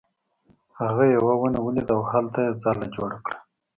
هغه یوه ونه ولیده او هلته یې ځاله جوړه کړه.